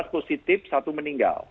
empat positif satu meninggal